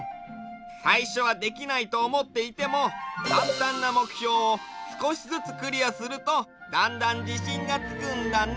さいしょはできないとおもっていてもかんたんなもくひょうをすこしずつクリアするとだんだんじしんがつくんだね！